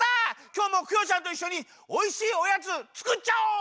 きょうもクヨちゃんといっしょにおいしいおやつつくっちゃお！